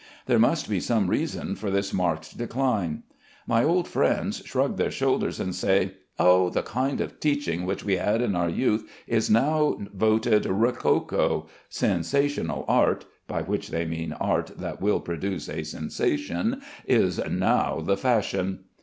There must be some reason for this marked decline. My old friends shrug their shoulders and say: "Oh, the kind of teaching which we had in our youth is now voted rococo. Sensational art" (by which they mean art that will produce a sensation) "is now the fashion."